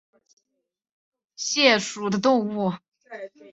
扁肢紧腹溪蟹为溪蟹科紧腹溪蟹属的动物。